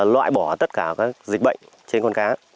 loại bỏ tất cả các dịch bệnh trên con cá